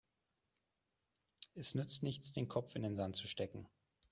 Es nützt nichts, den Kopf in den Sand zu stecken.